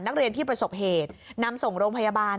นักเรียนที่ประสบเหตุนำส่งโรงพยาบาล